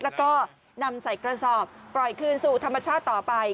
แล้วก็นำใส่กระสอบปล่อยคืนสู่ธรรมชาติต่อไป